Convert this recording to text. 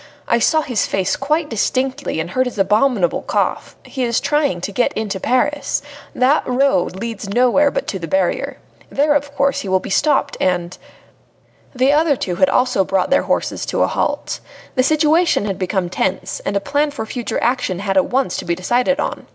"I saw his face quite distinctly and heard his abominable cough. He is trying to get into Paris. That road leads nowhere but to the barrier. There, of course, he will be stopped, and " The other two had also brought their horses to a halt. The situation had become tense, and a plan for future action had at once to be decided on.